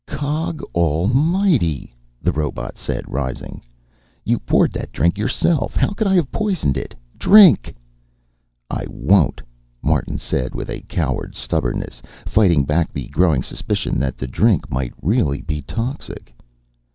"Cog Almighty," the robot said, rising. "You poured that drink yourself. How could I have poisoned it? Drink!" "I won't," Martin said, with a coward's stubbornness, fighting back the growing suspicion that the drink might really be toxic.